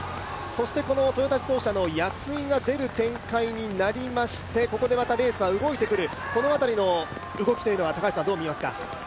このトヨタ自動車の安井が出る展開になりまして、ここでまたレースは動いてくるこの辺りの動きはどう見ますか？